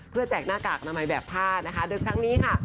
เพื่อแจกหน้ากากอนามัยแบบผ้านะคะ